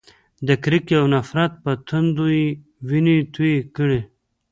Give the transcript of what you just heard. د کرکې او نفرت په تندو یې وینې تویې کړې.